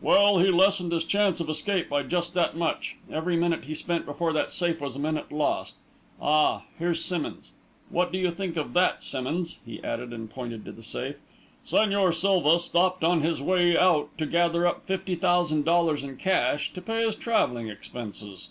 "Well, he lessened his chance of escape by just that much. Every minute he spent before that safe was a minute lost. Ah, here's Simmonds. What do you think of that, Simmonds?" he added, and pointed to the safe. "Señor Silva stopped on his way out to gather up fifty thousand dollars in cash to pay his travelling expenses."